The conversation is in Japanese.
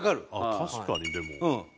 確かにでも。